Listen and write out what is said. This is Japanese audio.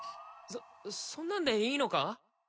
そそんなんでいいのか？